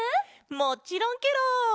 もちろんケロ！